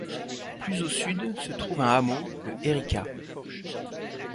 Plus au sud se trouve un hameau, Le Héricat.